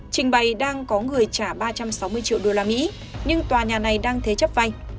trình bày đang có người trả ba trăm sáu mươi triệu usd nhưng tòa nhà này đang thế chấp vay